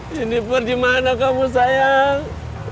jennifer dimana kamu sayang